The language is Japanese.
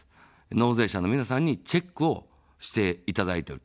納税者の皆さんにチェックをしていただいていると。